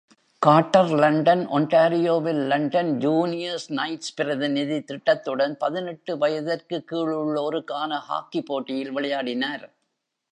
Carter London, ஒன்டாரியோவில் London Junior Knights பிரதிநிதி திட்டத்துடன் பதினெட்டு வயதிற்கு கீழ் உள்ளோருக்கான ஹாக்கி போட்டியில் விளையாடினார்.